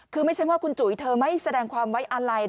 คือไม่ใช่ว่าคุณจุ๋ยเธอไม่แสดงความไว้อะไร